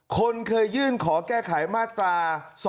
คนเคยยื่นขอแก้ไขมาตรา๒๕๖